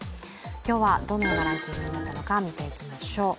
今日はどのようなランキングになったのか見ていきましょう。